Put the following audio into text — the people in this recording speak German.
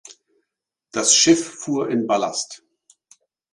Das Schiff fuhr in Ballast.